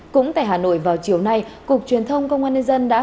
cũng tại hà nội vào chiều nay cục truyền thông công an nhân dân đã thông báo